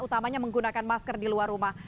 utamanya menggunakan masker di luar rumah